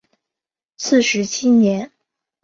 四十七年。